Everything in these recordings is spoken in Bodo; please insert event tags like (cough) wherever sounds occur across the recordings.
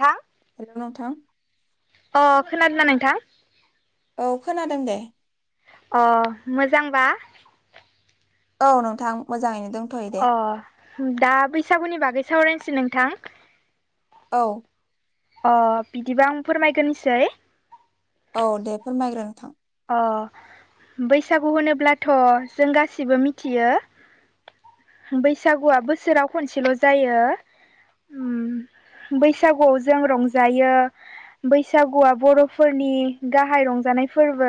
हा हेल नोंथां अ खोनादोंना नोंथां औ खोनादों दे अ मोजांबा औ नोंथां मोजाङैनो दंथ'योै दे अ दा बैसागुनि बागै सावरायनोसै नोंथां औ अ बिदिबा आं फोरमायग्रोनोसै औ दे फोरमायग्रो नोंथां अ बैसागु होनोब्लाथ' जों गासिबो मिथियो बैसागुआ बोसोराव खनसेल' जायो बैसागुआव जों रंजायो बैसागुआ बर'फोरनि गाहाय रंजानाय फोरबो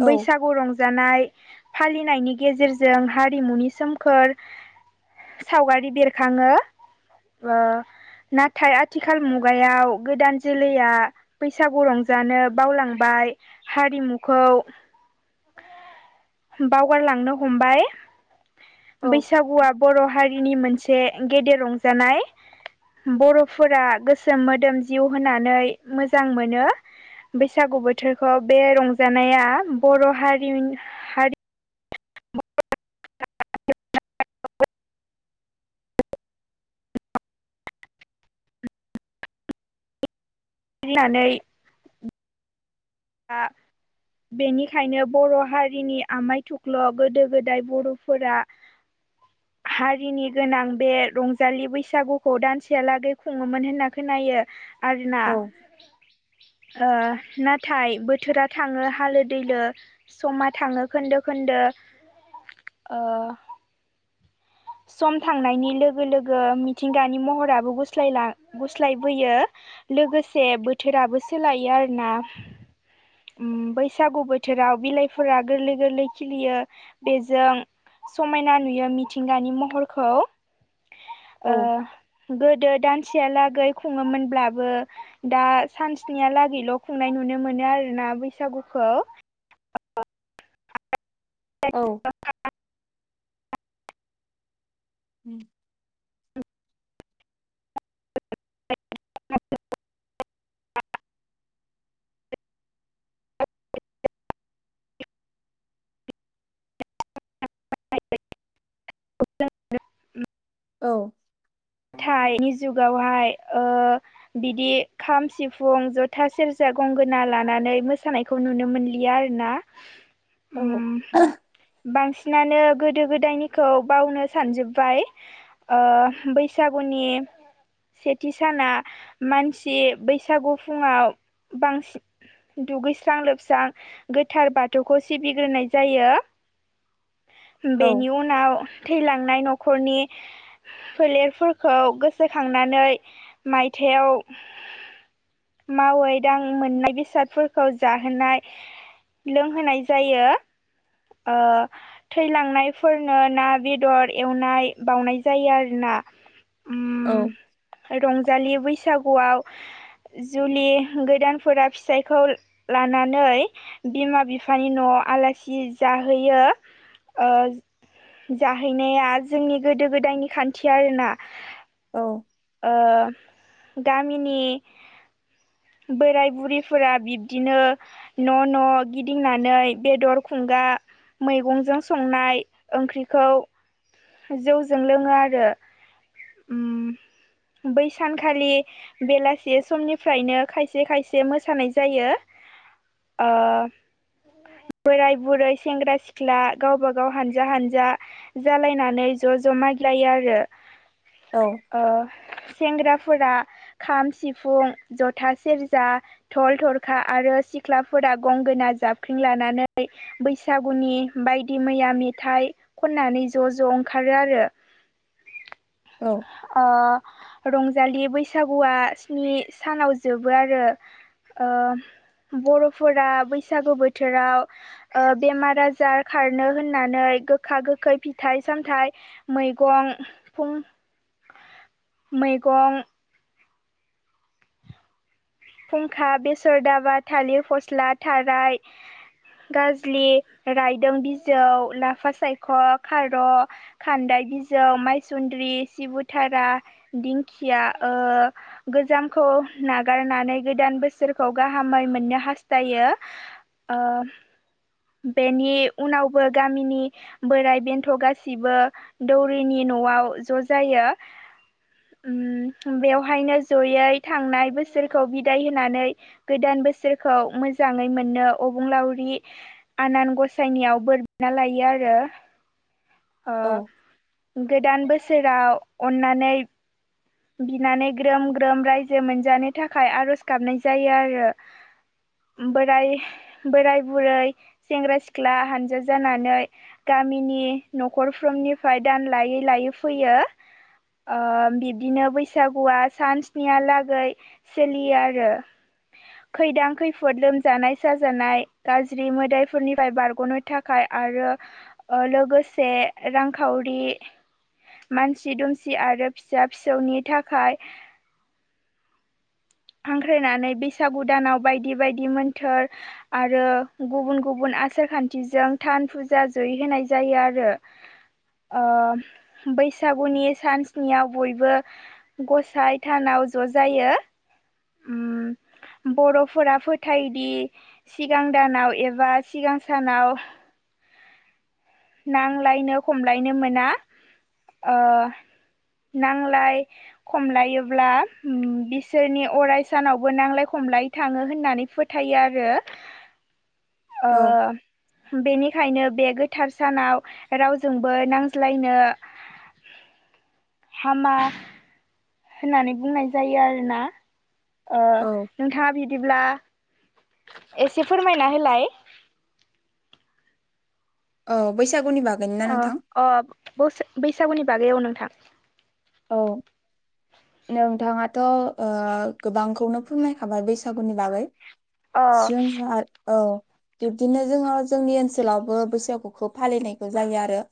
औ बैसागु रंजा जानाय फालिनायनि गेजेरजों हारिमुनि सोमखोर सावगारि बेरखाङो नाथाय आथिखाल मुगायाव गोदान जोलैया बैसागु रंजानो बावलाङो बाय हारिमुखौ बावगारलांनो हमबाय औ बैसागुआ बर' हारिनि मोनसे गेदेर रंजानाय बर'फोरा गोसोम मोदोम जिउ होनानै मोजां मोनो बैसागु बोथोरखौ बे रंजानाया बर' हारि हारि (unintelligible) फाननानै दा बेनिखायनो बर' हारिनि आमाय थुख्ल' गोदो गोदाय बर'फोरा (unintelligible) हारिनि गोनां बे रंजालि बैसागुखौ दानसेहालागै खुङोमोन होनना खोनायो आरो ना औ फिथाय (unintelligible) बोथोरा थाङो हालो दैलो समा थाङो खोनदो खोनदो ओ सम थांनायनि लोगो लोगो मिथिंगानि महराबो गस्लायलां गुस्लायबोयो लोगोसे बोथोराबो सोलायो आरोना बैसागु बोथोराव बिलाइफोरा गोरलै गोरलै खिलियो बेजों समायना नुयो मिथिंगानि महरखौ ओ औ गोदो दानसेयालागै खुङोमोनब्लाबो दा सानसिनियालागैल' खुंनाय नुनो मोनो आरोना बैसागुखौ औ द (unintelligible) उम औ (unintelligible) औ थायनि जुगावहाय ओ बिदि खाम सिफुं जथा सेरजा गंगोना लानानै मोसानायखौ खौ नुनो मोनलिया आरोना उम औ बांसिनानो गोदो गोदायनिखौ बावनो सानजोब्बाय ओ बैसागुनि सेथि साना मानसि बैसागु फुङाव बांसिन दुगैस्रां लोबस्रां गोथार बाथौखौ सिबिग्रोनाय जायो औ बेनि उनाव थैलांनाय न'खरनि फोलेर फोरखौ गोसोखांनानै मायथाइयाव मावै दां मोननाय बेसादफोरखौ जाहोनाय लोंहोनाय जायो ओ थैलांनायफोरनो ना बेदर एवनाय बावनाय जायो आरोना उम रंजालि बैसागुयाव जुलि गोदानफोरा फिसायखौ लानानै बिमा बिफानि न'आव आलासि जाहोयो ओ जाहैनाया जोंनि गोदो गोदायनि खानथि आरोना औ ओ गामिनि बोराय बुरिफोरा बिबदिनो न' न' गिदिंनानै बेदर खुंगा मैगंजों संनाय ओंख्रिखौ जौजों लोङो आरो ओम बै सानखालि बेलासि समनिफ्रायनो खायसे खायसे मोसानाय जायो ओ बोराय बुरै सेंग्रा सिख्ला गावबा गाव हानजा हानजा जालायनानै नै ज' ज' मागिलायो आरो ओ सेंग्राफोरा खाम सिफुं जथा सेरजा टल थरखा आरो सिख्लाफोरा गंगोना जाबख्रिं लानानै बैसागुनि बायदि मैया मेथाइ खननानै ज' ज' ओंखारो आरो औ अ रंजालि बैसागुया स्नि सानाव जोबो आरो ओ बर'फोरा बैसागु बोथोराव ओ बेमार आजार खारनो होननानै गोखा गोखै फिथाइ सामथाइ मैगं फुं मैगं फुंखा बेसर दाबा थालिर फस्ला थाराय गाजलि रायदों बिजौ लाफा सायख' खार' खान्दा बिजौ मायसुन्द्रि सिबुथारा दिंखिया गोजामखौ नागारनानै गोदान बोसोरखौ गाहामै मोननो हास्थायो बेनि उनावबो गामिनि बोराय बेन्थ गासिबो दौरिनि न'आव ज' जायो बेवहायनो जयै थांनाय बोसोरखौ बिदाय होनानै गोदान बोसोरखौ मोजाङै मोननो अबुंलावरि आनान गसायनियाव बोर बिना लायो आरो औ गोदान बोसोराव अननानै बिनानै ग्रोम ग्रोम रायजो मोनजानो थाखाय आरज गाबनाय जायो आरो बोराय बोराय बुरै सेंग्रा सिख्ला हानजा जानानै गामिनि न'खरफ्रोमनिफ्राय दान लायै लायै फैयो आ बि बिदिनो बैसागुया सानसिनिहालागै सोलियो आरो खैदां खैफोद लोमजानाय साजानाय गाज्रि मोदायफोरनिफ्राय बारगनो थाखाय आरो लोगोसे रांखावरि मानसि दुमसि आरो फिसा फिसौनि थाखाय हांख्रायनानै बैसागु दानाव बायदि बायदि मोन्थोर आरो गुबुन गुबुन आसार खान्थिजों थान फुजा जयै होनाय जायो आरो बैसागुनि सानस्नियाव बयबो गसाइ थानाव ज जायो उम बर'फोरा फोथायोदि सिगां दानाव एबा सिगां सानाव नांलायनो खमलायनो मोना नांलाय खमलायोब्ला बिसोरनि अराय सानावबो नांलाय खमलाय दि थाङो होननानै फोथायो आरो ओ औ बेनिखायनो बे गोथार सानाव रावजोंबो नांज्लायनो हामा होननानै बुंनाय जायो आरोना ओ औ नोंथाङा बिदिब्ला एसे फोरमायना होलाय औ बैसागुनि बागै अ अ बैसागुनि बागै अ नोंथां औ नोंथाङाथ गोबांखौनो फोरमनायखाबाय बैसागुनि बागै अ (unintelligible) औ बिब्दिनो जोङो जोंनि ओनसोलावबो बैसागुखौ फालिनायखौ जायो आरो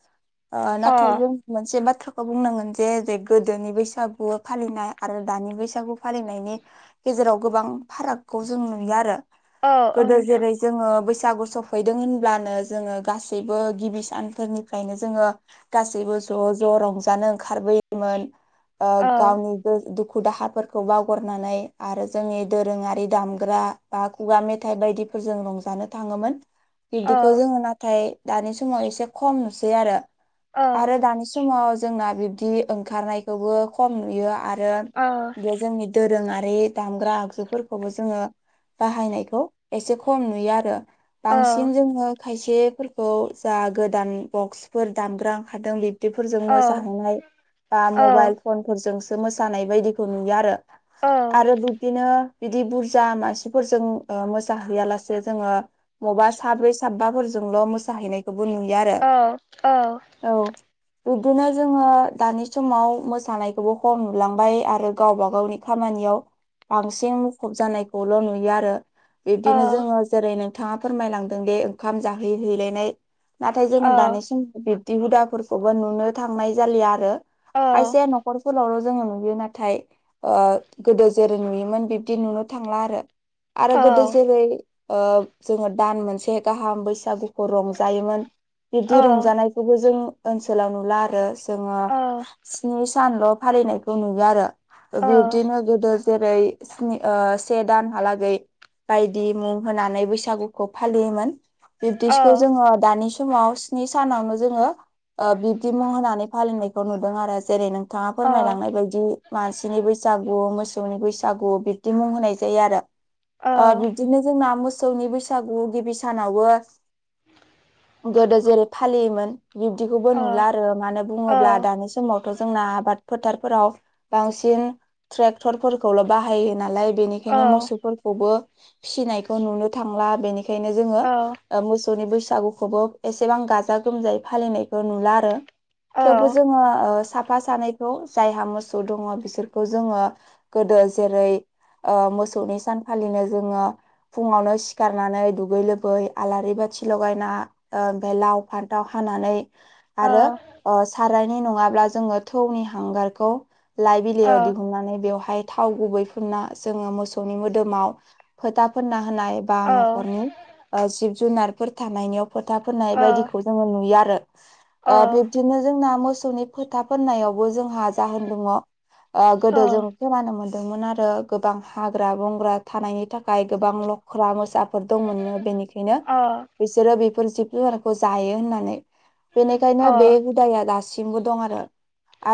अ नाथाय जों मोनसे बाथ्राखौ बुंनांगोनजे जे गोदोनि बैसागु फालिनाय आरो दानि बैसागु फालिनायनि गेजेराव गोबां फारागखौ जों नुयो आरो औ औ गोदो नोंथां जेरै जोङो बैसागु सफैदों होनब्लानो जोङो गासैबो गिबि सानफोरनिफ्रायनो जोङो गासैबो ज ज रंजानो ओंखारबोयोमोन औ गावनि दुखु दाहाफोरखौ बावगारनानै आरो जोंनि दोरोङारि दामग्रा बा खुगा मेथाइ बायदिफोरजों रंजानो थाङोमोन (inaudible) बिदिखौ जोङो नाथाय दानि समाव एसे खम नुसै आरो औ आरो दानि समाव जोंना बिब्दि ओंखारनायखौबो खम नुयो आरो ओ बे जोंनि दोरोङारि दामग्रा आगजुफोरखौबो जोङो बाहायनायखौ एसे खम नुयो आरो औ बांसिन जोङो खायसेफोरखौ जा गोदान बक्सफोर दामग्रा ओंखारदों बे बेफोरजों औ मोसाहैनाय बा औ मबाइल फन फोरजोंसो मोसानाय बायदिखौ नुयो आरो औ आरो बिबदिनो। बिदि बुरजा मासिफोरजों ओ मोसाहैयालासे जोङो। बबा साब्रै साबबाफोरजोंल' मोसाहैनायखौबो नुयो आरो। ओ ओ। औ बिदिनो जोङो। दानि समाव मोसानायखौबो खम नुलांबाय आरो गावबा गावनि खामानियाव। बांसिन मुखुब जानायखौल' नुयो आरो औ बिब्दिनो जोङो जेरै नोंथाङा फोरमायलांदों दि ओंखाम जाहैहैलायनाय। नाथाय जोङो दानि समाव बिब्दि हुदाफोरखौबो नुनो थांनाय जालिया आरो खायसेया न'खरफोरावल' जोङो नुयो नाथाय। ओ गोदो जेरै नुयोमोन बिब्दि नुनो थांला आरो आरो गोदो जेरै ओ जोङो दान मोनसे गाहाम बैसागुखौ रंजायोमोन। बिबदि रंजानाय (unintelligible) जों ओनसोलाव नुला आरो जोङो। ओ स्नि सानल' फालिनायखौ नुयो आरो बिब्दिनो गोदो। जेरैनि स्नि ओ से दानहालागै। बायदि मुं होनानै बैसागुखौ फालियोमोन। बिबदिसखौ औ जोङो दानि स समाव स्नि सानावनो जोङो ओ बिब्दि मुं होनानै फालिनायखौ नुदों आरो जेरै नों बिथाङा औ फोरमायलांनाय बायदि। मानसिनि बैसागु मोसौनि बैसागु बिब्दि मुं होनाय जायो आरो अ बिब बिदिनो जोंना मोसौनि बैसागु गिबि सानावबो गोदो जेरै फालियोमोन बिब्दिखौबो अ अ नुला आरो मानो बुङोब्ला। दानि समावथ' जोंना आबाद फोथारफोराव बांसिन। ट्रेक्टरफोरखौल' बाहायो नालाय ब बेनिखायनो मोसौफोरखौबो फिसिनायखौ नुनो थांला। बेनिखायनो अ जोङो ओ मोसौनि बैसागुखौबो एसेबां गाजा गोमजायै फालिनायखौ नुला आरो थेवबो जोङो ओ साफा सानैखौ जायहा मोसौ दङ बिसोरखौ जोङो गोदो जेरै ओ मोसौनि सान फालिनो जोङो फुङावनो सिखारनानै दुगै लोबै आलारि बाथि लगायना ओमफाय लाव फान्थाव हानानै आरो ओ सारायनायनि नङाब्ला जोङो थौनि हांगारखौ लाइ बिलायाव दिहुननानै बेवहाय थाव गुबैफुना जोङो मोसौनि मोदोमाव फोथा फोनना होनाय बा न'खरनि ओ जिब-जुनारफोर थानायनियाव फोथा फोननाय बायदिखौ जोंङो नुयो। आरो बिब्दिनो जोंना मोसौनि फोथा फोननायावबो जोंहा जाहोन दङ। ओ गोदो जों खोनानो मोनदोंमोन आरो गोबां हाग्रा बंग्रा थानायनि थाखाय गोबां ल ख्रा मोसाफोर दंमोननो बेनिखायनो अ बिसोरो बेफोर जिब जुनारखौ जायो होननानै बेनिखायनो बे बिदाया दासिमबो दं आरो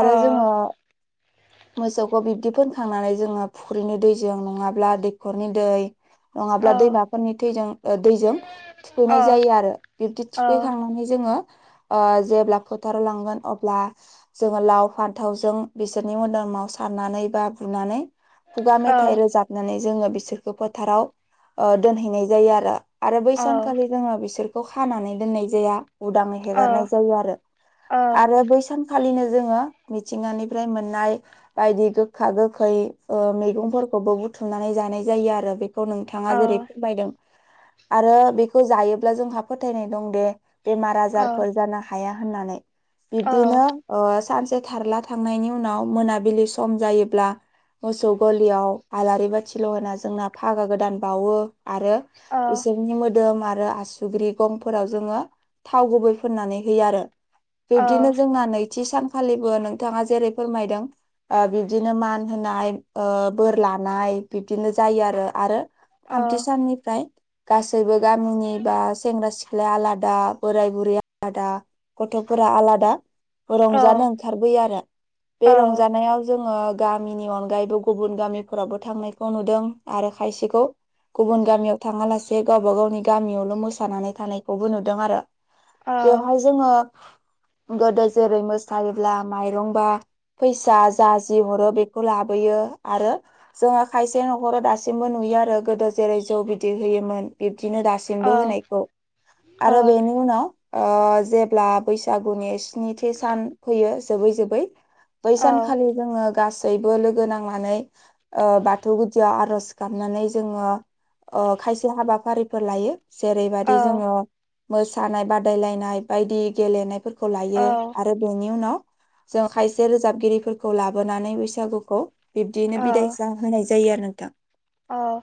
आरो जोङो (inaudible) मोसौखौ बिब्दि फोनखांनानै जोङो फुख्रिनि दैजों नङाब्ला दैखरनि दै नङाब्ला दैमाफोरनि थैजों, ओ दैजों थुखैनाय जायो आरो बिब्दि थुखैखांनानै जोङो। ओ जेब्ला फो थार लांगोन अब्ला, जोङो लाव फान्थावजों बिसोरनि मोदोमाव सारनानै बा बुनानै खुगा मेथाइ रोजाबनानै जोङो बिसोरखौ फोथाराव ओ दोनहैनाय जायो आरो। आरो बै सानखालि जोङो बिसोरखौ खानानै दोननाय जाया उदाङै हेगारनाय जायो आरो। अ आरो बै सानखालिनो जोङो मिथिंगानिफ्राय मोननाय बायदि गोखा गोखै मैगंफोरखौबो बुथुमनानै जानाय जायो आरो बे खौ अ नोंथाङा जेरै फोरमायदों आरो बेखौ जायोब्ला जोंहा फोथायनाय दं दे बेमार अ आजारफोर जानो हाया होननानै। औ बिब्दिनो सानसे थारला थांनायनि उनाव मोनाबिलि सम जायोब्ला मोसौ गलियाव आलारि बाथिल' होना जोंना फागा गोदान बावो। आरो बिसोरनि मोदोम आरो आसु दुग्रि गंफोराव जोङो थाव गुबै फुननानै होयो आरो। बिब्दिनो जोंना नैथि सानखालिबो नोंथाङा जेरै फोरमायदों बिदिनो मान होनाय बोर लानाय बिदिनो जायो आरो आरो थामथि साननिफ्राय गासैबो गामिनि बा सेंग्रा सिख्लाया आलादा बोराय बुरै आलादा गथ'फोरा आलादा रंजानो ओंखारबोयो आरो बे रंजानायाव जोङो गामिनि अनगायैबो गुबुन गामिफोरावबो थांनायखौ नुदों आरो खायसेखौ गुबुन गामियाव थाङा लासे गावबा गावनि गामियावल' मोसानानै थानायखौबो नुदों आरो। बेवहाय जोङो गोदो जेरै मोसायोब्ला माइरंबा फैसा जा जि हरो बेखौ लाबोयो आरो जोङो खायसे न'खराव दासिमबो नुयो आरो गोदो जेरै जौ बिदिर होयोमोन। बिब्दिनो दास होनायखौ आरो बेनि उनाव जे ब्ला बैसागुनि स्निथि सान फैयो जोबै जोबै बै सानखालि जोङो गासैबो लोगो नांनानै ओ बाथौ गुदियाव आर'ज गाबनानै जोङो ओ खायसे हाबाफारिफोर लायो। जेरैबायदि जोङो मोसानाय बादायलायनाय बायदि गेलेनायफोर खौ लायो आरो बेनि उनाव जों खायसे रोजाबगिरिफोरखौ लाबोनानै बैसागुखौ बिदियैनो बिदायसा होनाय जायो आरो नोंथां। औ।